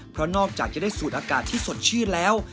เพราะนอกจากจะได้สูดอากาศที่สดชื่นแล้ว